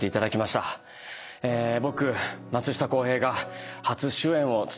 僕。